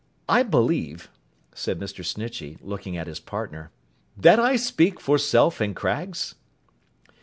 I believe,' said Mr. Snitchey, looking at his partner, 'that I speak for Self and Craggs?